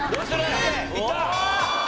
いった！